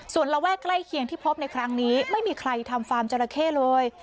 ส่วนระแวกใกล้เคียงที่พบในครั้งนี้ไม่มีใครทำฟาร์มจราเข้เลย